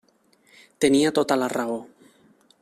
Tenia tota la raó.